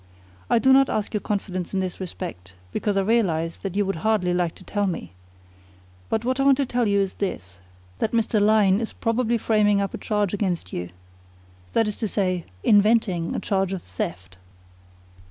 I do not ask your confidence in this respect, because I realise that you would hardly like to tell me. But what I want to tell you is this, that Mr. Lyne is probably framing up a charge against you that is to say, inventing a charge of theft."